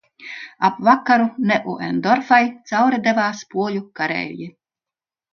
Ap vakaru Neuendorfai cauri devās poļu kareivji.